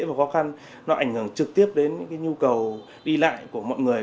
và khó khăn nó ảnh hưởng trực tiếp đến những cái nhu cầu đi lại của mọi người